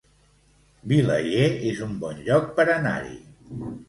Vilaller es un bon lloc per anar-hi